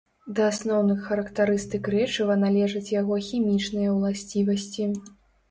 Да асноўных характарыстык рэчыва належаць яго хімічныя ўласцівасці.